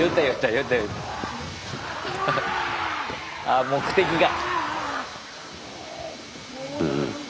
あ目的が。